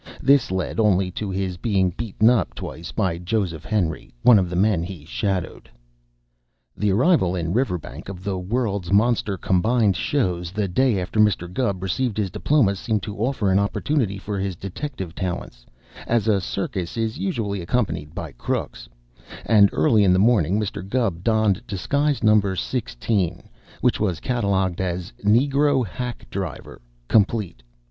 This led only to his being beaten up twice by Joseph Henry, one of the men he shadowed. The arrival in Riverbank of the World's Monster Combined Shows the day after Mr. Gubb received his diploma seemed to offer an opportunity for his detective talents, as a circus is usually accompanied by crooks, and early in the morning Mr. Gubb donned disguise Number Sixteen, which was catalogued as "Negro Hack Driver, Complete, $22.